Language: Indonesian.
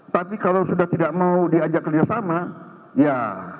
tapi kalau sudah tidak mau diajak kerjasama ya